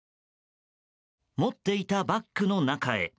持っていたバッグの中へ。